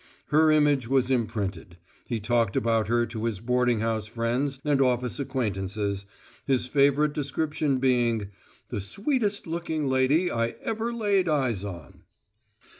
Her image was imprinted: he talked about her to his boarding house friends and office acquaintances, his favourite description being, "the sweetest looking lady I ever laid eyes on."